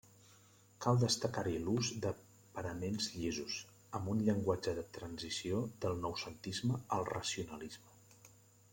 Cal destacar-hi l'ús de paraments llisos, amb un llenguatge de transició del noucentisme al racionalisme.